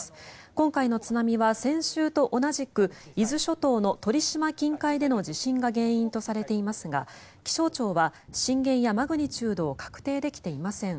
今回の津波は先週と同じく伊豆諸島の鳥島近海での地震が原因とされていますが気象庁は震源やマグニチュードを確定できていません。